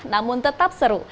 namun tetap seru